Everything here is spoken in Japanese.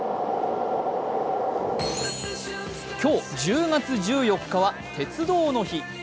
今日、１０月１４日は鉄道の日。